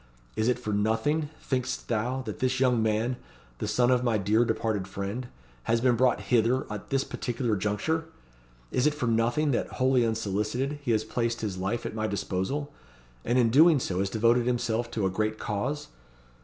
Is it for nothing, think'st thou, that this young man the son of my dear departed friend has been brought hither at this particular conjuncture? Is it for nothing that, wholly unsolicited, he has placed his life at my disposal, and in doing so has devoted himself to a great cause?